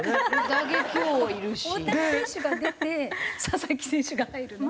大谷選手が出て佐々木選手が入るの？